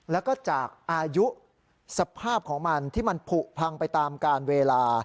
แล้วก็จากอายุสภาพของมันที่มันผูกพังไปตามการเวลา